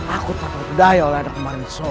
aku tak berbudaya oleh anak kemarin sore